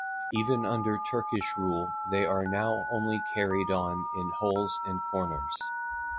Even under Turkish rule they are now only carried on in holes and corners.